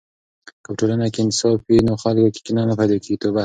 که په ټولنه کې انصاف وي، نو خلکو کې کینه نه پیدا کیږي.